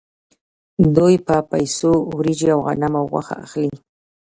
دوی په پیسو وریجې او غنم او غوښه اخلي